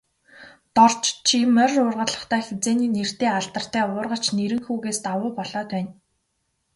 Дорж чи морь уургалахдаа, хэзээний нэртэй алдартай уургач Нэрэнхүүгээс давуу болоод байна.